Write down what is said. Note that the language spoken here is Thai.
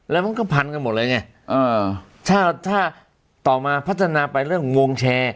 แล้วมันก็พันกันหมดเลยไงถ้าถ้าต่อมาพัฒนาไปเรื่องของวงแชร์